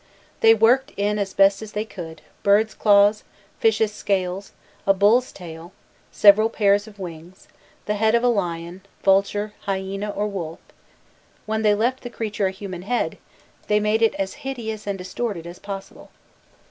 They worked in as best they could, birds' claws, fishes' scales, a bull's tail, several pairs of wings, the head of a lion, vulture, hyaena, or wolf; when they left the creature a human head, they made it as hideous and distorted as possible.